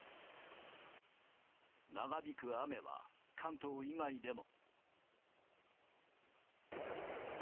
長引く雨は、関東以外でも。